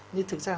nhưng thực ra